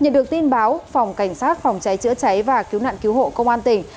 nhận được tin báo phòng cảnh sát phòng cháy chữa cháy và cứu nạn cứu hộ công an tỉnh